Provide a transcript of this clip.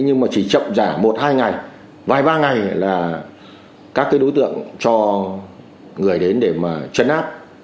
nhưng chỉ chậm giả một hai ngày vài ba ngày là các đối tượng cho người đến để chấn áp